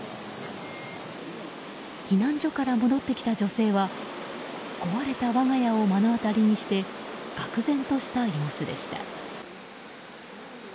避難所から戻ってきた女性は壊れた我が家を目の当たりにしてがくぜんとした様子でした。